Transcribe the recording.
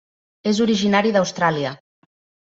És originari d'Austràlia.